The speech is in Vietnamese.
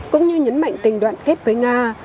cũng như nhấn mạnh tình đoạn kết với nga